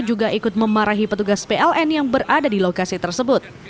juga ikut memarahi petugas pln yang berada di lokasi tersebut